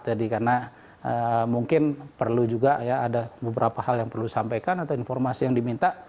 jadi karena mungkin perlu juga ada beberapa hal yang perlu disampaikan atau informasi yang diminta